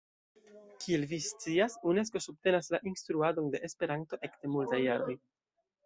Kiel vi scias, Unesko subtenas la instruadon de Esperanto ekde multaj jaroj.